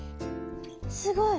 すごい！